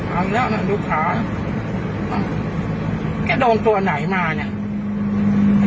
เอาแล้วมันดูขามันแกโดนตัวไหนมาเนี่ย